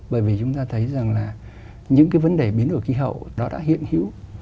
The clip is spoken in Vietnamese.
bởi vì chúng ta thấy rằng là những cái vấn đề biến đổi khí hậu nó đã hiện hữu